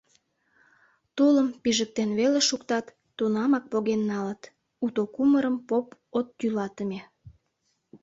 Тулым пижыктен веле шуктат, тунамак поген налыт: уто кумырым поп от йӱлатыме.